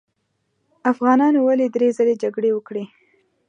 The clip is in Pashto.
افغانانو ولې درې ځلې جګړې وکړې.